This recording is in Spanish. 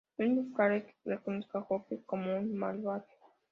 Es muy probable que reconozca un joke como un malware.